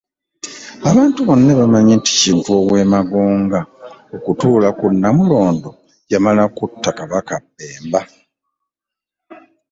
Abantu bonna bamanyi nti Kintu ow’e Magonga okutuula ku Namulondo yamala kutta Kabaka Bemba.